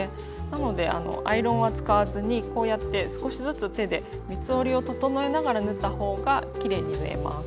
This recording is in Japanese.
なのでアイロンは使わずにこうやって少しずつ手で三つ折りを整えながら縫った方がきれいに縫えます。